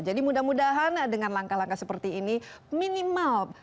jadi mudah mudahan dengan langkah langkah seperti ini minimal